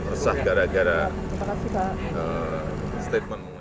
usah gara gara statement